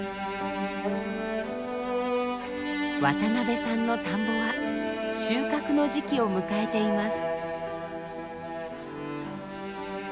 渡部さんの田んぼは収穫の時期を迎えています。